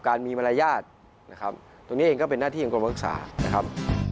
การมีมารยาทนะครับตรงนี้เองก็เป็นหน้าที่ของกรมรักษานะครับ